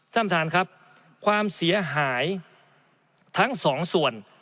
ท่านผู้ชมครับความเสียหายทั้ง๒ส่วน